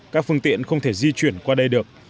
các phương tiện không thể di chuyển qua đây được